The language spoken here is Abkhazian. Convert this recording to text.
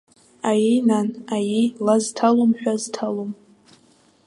Аиеи, нан, аиеи, ла зҭалом, ҳәа зҭалом.